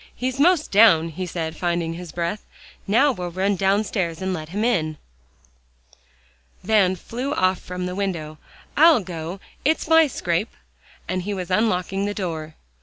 "He's 'most down," he said, finding his breath. "Now we'll run downstairs and let him in." Van flew off from the window. "I'll go; it's my scrape," and he was unlocking the door.